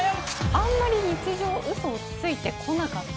あんまり日常嘘をついてこなかった。